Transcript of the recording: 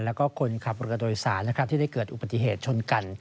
และคนขับเรือโดยสารที่ได้เกิดอุปัติเหตุชนกัน